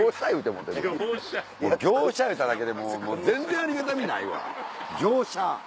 もう「業者」言うただけで全然ありがたみないわ「業者」。